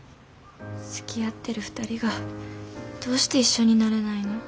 好き合ってる２人がどうして一緒になれないの。